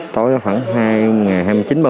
tối khoảng ngày hai mươi chín ba mươi